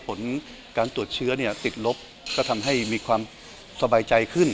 ผลการตรวจเชื้อเนี่ยติดลบก็ทำให้มีความสบายใจขึ้น